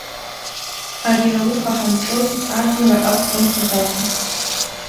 Ари ауха ҳанцоз, аӡынра ақәҵымҭаз акәын.